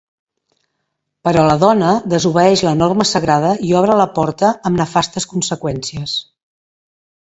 Però la dona desobeeix la norma sagrada i obre la porta amb nefastes conseqüències.